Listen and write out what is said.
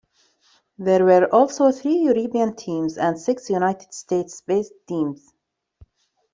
There were also three European teams and six United States-based teams.